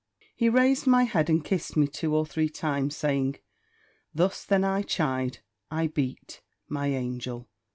He raised my head, and kissed me two or three times, saying, "Thus then I chide, I beat, my angel!